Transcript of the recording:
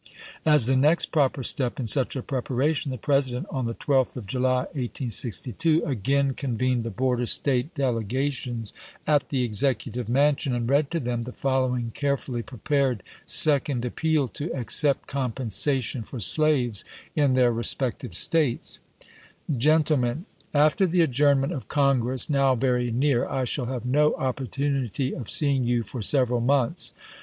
As the next proper step in such a preparation, the President, on the 12th of July, 1862, again convened the border State delega SIGNS OF THE TIMES 109 tions at the Executive Mansion, and read to them chap. v. the following carefully prepared second appeal to accept compensation for slaves in then* respective 1862. ' States : Gentlemen : After the adjournment of Congress, now very near, I shall have no opportunity of seeing you for several months.